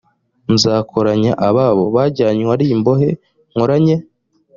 nzakoranya ababo bajyanywe ari imbohe nkoranye